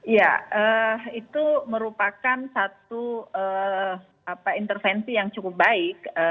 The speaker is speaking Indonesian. ya itu merupakan satu intervensi yang cukup baik